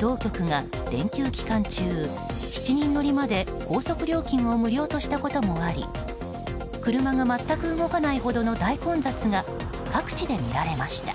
当局が連休期間中７人乗りまで高速料金を無料としたこともあり車が全く動かないほどの大混雑が各地で見られました。